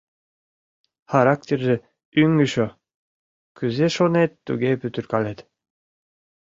«Характерже ӱҥышӧ, кузе шонет, туге пӱтыркалет».